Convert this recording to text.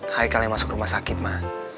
hai kalian masuk rumah sakit ma